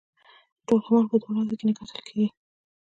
ټول عمان په دوه ورځو کې نه کتل کېږي.